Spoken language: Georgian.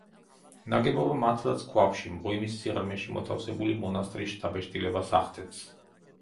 ნაგებობა მართლაც ქვაბში, მღვიმის სიღრმეში მოთავსებული მონასტრის შთაბეჭდილებას ახდენს.